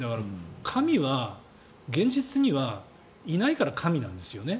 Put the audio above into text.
神は現実にはいないから神なんですよね。